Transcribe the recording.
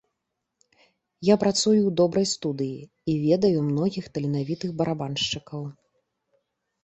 Я працую ў добрай студыі, і ведаю многіх таленавітых барабаншчыкаў.